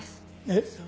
えっ？